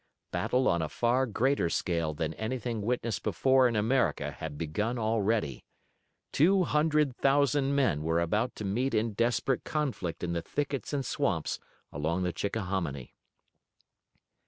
Battle on a far greater scale than anything witnessed before in America had begun already. Two hundred thousand men were about to meet in desperate conflict in the thickets and swamps along the Chickahominy.